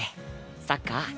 サッカー。